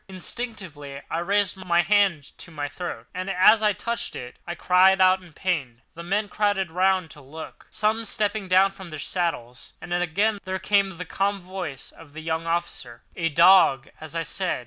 Instinctively I raised my hand to my throat, and as I touched it I cried out in pain. The men crowded round to look, some stooping down from their saddles; and again there came the calm voice of the young officer: "A dog, as I said.